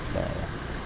để đảm bảo quản lý